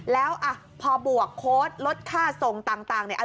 แล้วพอบวกโค้ดลดค่าส่งต่างเนี่ย